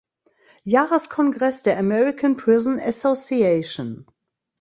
Jahreskongress der American Prison Association.